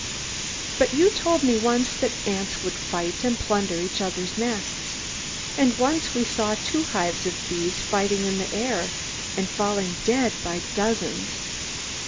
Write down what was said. But you told me once that ants would fight and plunder each other's nests. And once we saw two hives of bees fighting in the air, and falling dead by dozens.